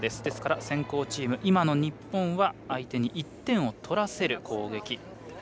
ですから、先攻チーム今の日本は相手に１点を取らせる攻撃。